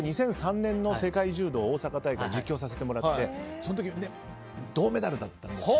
２００３年の世界柔道大阪大会、実況させてもらってその時、銅メダルだったんです。